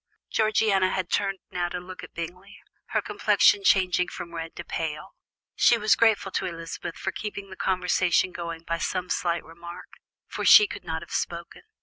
Georgiana had turned now to look at Bingley, her complexion changing from red to pale. She was grateful to Elizabeth for keeping the conversation going by some slight remark, for she could not have spoken.